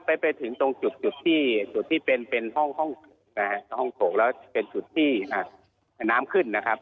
ไปถึงตรงจุดที่จุดที่เป็นห้องโถงแล้วเป็นจุดที่น้ำขึ้นนะครับ